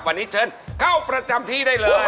วันนี้เชิญเข้าประจำที่ได้เลย